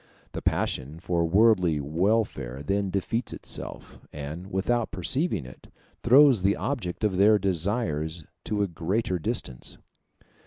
The passion for worldly welfare then defeats itself, and, without perceiving it, throws the object of their desires to a greater distance.